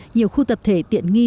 nhiều khu tập thể tiện nghi